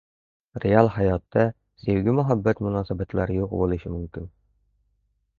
Real hayotda sevgi-muhabbat munosabatlari yo‘q bo‘lishi mumkin.